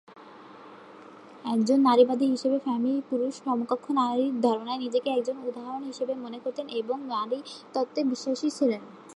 একজন নারীবাদী হিসেবে ফ্যানি পুরুষ সমকক্ষ নারী ধারণায় নিজেকে একজন উদাহরণ হিসেবে মনে করতেন এবং নতুন নারী তত্ত্বে বিশ্বাসী ছিলেন।